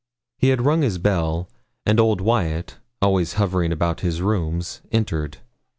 He had rung his bell, and old Wyat, always hovering about his rooms, entered.